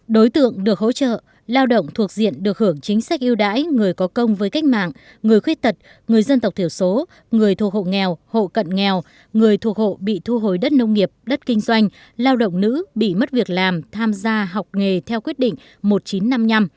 đối tượng được hỗ trợ lao động thuộc diện được hưởng chính sách yêu đãi người có công với cách mạng người khuyết tật người dân tộc thiểu số người thuộc hộ nghèo hộ cận nghèo người thuộc hộ bị thu hồi đất nông nghiệp đất kinh doanh lao động nữ bị mất việc làm tham gia học nghề theo quyết định một nghìn chín trăm năm mươi năm